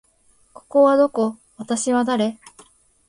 ここはどこ？私は誰？